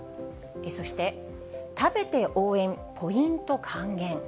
そして、食べて応援ポイント還元。